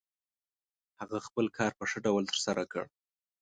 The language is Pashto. هغه خپل کار په ښه ډول ترسره کړ.